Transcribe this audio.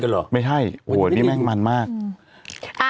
แล้วครูแบบเด็ดมากเลย